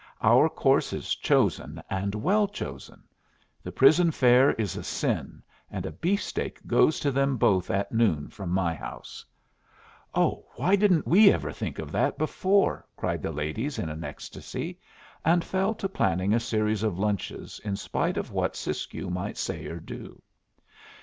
Our course is chosen, and well chosen. The prison fare is a sin, and a beefsteak goes to them both at noon from my house." "Oh, why didn't we ever think of that before?" cried the ladies, in an ecstasy, and fell to planning a series of lunches in spite of what Siskiyou might say or do.